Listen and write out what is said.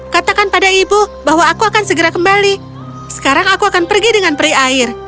katakan pada ibu bahwa aku akan segera kembali sekarang aku akan pergi dengan peri air